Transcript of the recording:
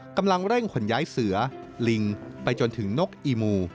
กำลังเร่งขนย้ายเสือลิงไปจนถึงนกอีมู